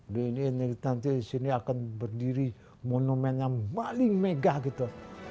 di nanti sini akan berdiri monumen yang paling megah gitu